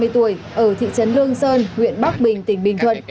ba mươi tuổi ở thị trấn lương sơn huyện bắc bình tỉnh bình thuận